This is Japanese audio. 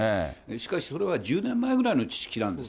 しかし、それは１０年前ぐらいの知識なんです。